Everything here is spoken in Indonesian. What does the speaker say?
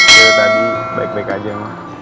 dia tadi baik baik aja mak